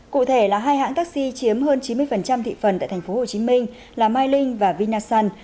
cụ thể là hai hãng taxi chiếm hơn chín mươi thị phần tại tp hcm là mai linh và vinasun